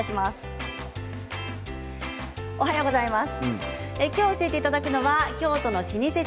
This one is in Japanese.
おめでとうございます。